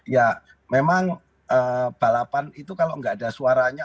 ya memang balapan itu kalau nggak ada suaranya